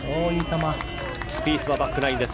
スピースはバックナインです。